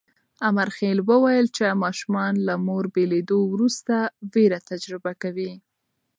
امرخېل وویل چې ماشومان له مور بېلېدو وروسته وېره تجربه کوي.